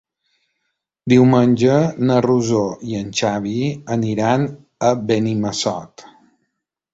Diumenge na Rosó i en Xavi aniran a Benimassot.